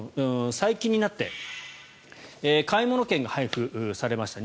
最近になって買い物券が配布されました。